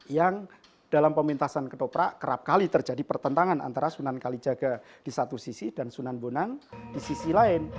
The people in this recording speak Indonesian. yang dalam pementasan ketoprak kerap kali terjadi pertentangan antara sunan kalijaga di satu sisi dan sunan bonang di sisi lain